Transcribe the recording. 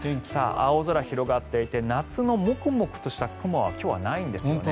青空、広がっていて夏のモクモクとした雲は今日はないんですよね。